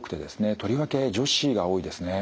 とりわけ女子が多いですね。